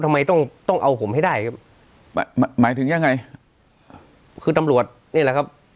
ทำไมต้องต้องเอาผมให้ได้ครับหมายถึงยังไงคือตำรวจนี่แหละครับ